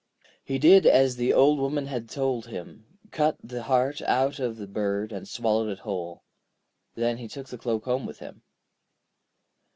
He did as the Old Woman had told him, cut the heart out of the bird and swallowed it whole. Then he took the cloak home with him.